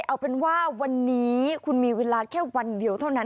เอาเป็นว่าวันนี้คุณมีเวลาแค่วันเดียวเท่านั้น